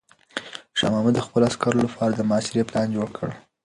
شاه محمود د خپلو عسکرو لپاره د محاصرې پلان جوړ کړ.